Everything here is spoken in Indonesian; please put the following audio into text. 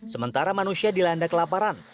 sementara manusia dilanda kelaparan